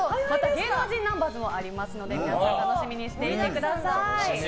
芸能人ナンバーズもありますので皆さん楽しみにしてください。